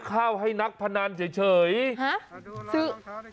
แบบนี้คือแบบนี้คือแบบนี้คือ